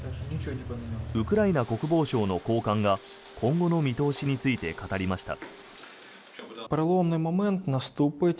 ウクライナ国防省の高官が今後の見通しについて語りました。